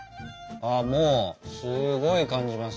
もうすごい感じます。